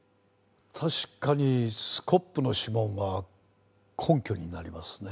確かにスコップの指紋は根拠になりますね。